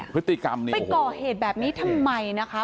พฤติกรรมนี้ไปก่อเหตุแบบนี้ทำไมนะคะ